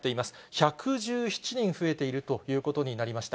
１１７人増えているということになりました。